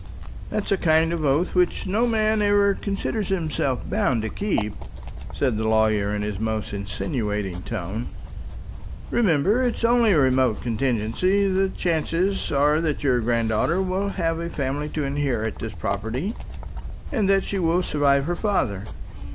"That's a kind of oath which no man ever considers himself bound to keep," said the lawyer in his most insinuating tone. "Remember, it's only a remote contingency. The chances are that your granddaughter will have a family to inherit this property, and that she will survive her father.